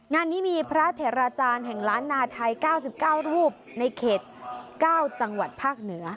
งานนี้มีพระเถราจารย์แห่งล้านนาไทย๙๙รูปในเขต๙จังหวัดภาคเหนือ